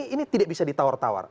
ini tidak bisa ditawar tawar